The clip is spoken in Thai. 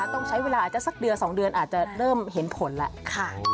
ต้องใช้เวลาอาจจะสักเดือน๒เดือนอาจจะเริ่มเห็นผลแล้วค่ะ